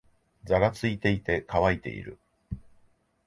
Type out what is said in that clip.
ざらついていて、乾いている